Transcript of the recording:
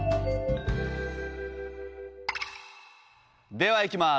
ではいきます。